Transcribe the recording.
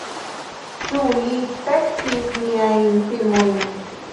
Ĉu li spektis miajn filmojn?